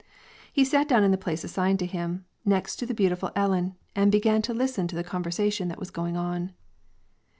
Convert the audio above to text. He sat down in the place assigned to him, next the beautiful Ellen, and began to listen to the conversation that was going on.